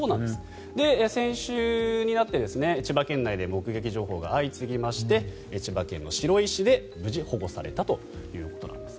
先週になって千葉県内で目撃情報が相次ぎまして、千葉県の白井市で無事保護されたということです。